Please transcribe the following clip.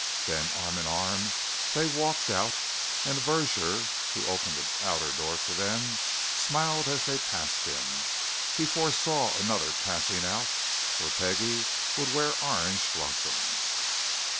Then, arm in arm, they walked out, and a verger who opened the outer door for them, smiled as they passed him; he foresaw another passing out, whereat Peggie would wear orange blossoms.